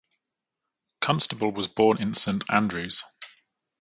Constable was born in St Andrews.